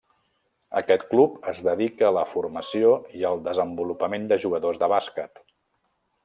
Aquest club es dedica a la formació i al desenvolupament de jugadors de bàsquet.